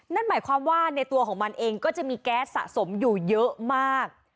นั่นหมายความว่าในตัวของมันเองก็จะมีแก๊สสะสมอยู่เยอะมาก